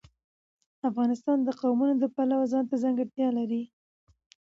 افغانستان د قومونه د پلوه ځانته ځانګړتیا لري.